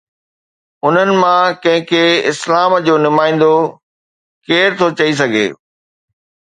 انهن مان ڪنهن کي اسلام جو نمائندو ڪير ٿو چئي سگهي؟